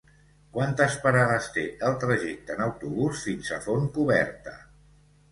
Quantes parades té el trajecte en autobús fins a Fontcoberta?